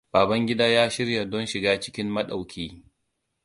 Babangida ya shirya don shiga cikin madauki.